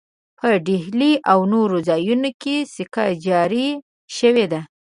په ډهلي او نورو ځایونو کې سکه جاري شوې ده.